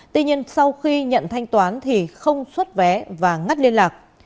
tuy nhiên sau khi nhận thanh toán thì không xuất vé và ngắt liên lạc